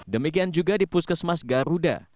demikian juga di puskesmas garuda